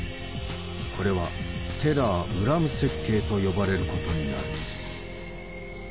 これは「テラー・ウラム設計」と呼ばれることになる。